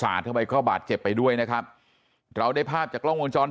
เข้าไปเข้าบาดเจ็บไปด้วยเจ็บไปด้วยนะครับเราได้ภาพจากล้องโมงจร